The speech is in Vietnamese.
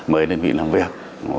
mời đơn vị làm việc